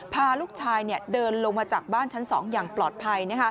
พาลูกชายเดินลงมาจากบ้านชั้น๒อย่างปลอดภัย